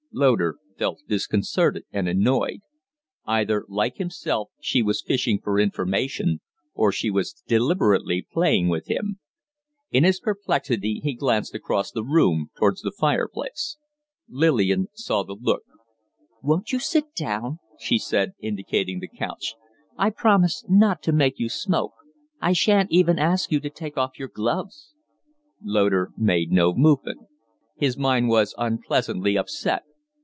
Loder felt disconcerted and annoyed. Either, like himself, she was fishing for information, or she was deliberately playing with him. In his perplexity he glanced across the room towards the fireplace. Lillian saw the look. "Won't you sit down?" she said, indicating the couch. "I promise not to make you smoke. I sha'n't even ask you to take off your gloves!" Loder made no movement. His mind was unpleasantly upset.